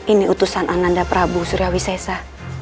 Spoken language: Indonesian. ini utusan ananda prabu suryawisesa